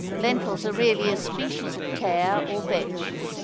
Lentils are really a species of tare or vetch.